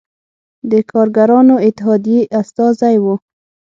د کارګرانو اتحادیې استازی و.